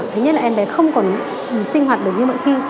thứ nhất là em bé không còn sinh hoạt được như mỗi khi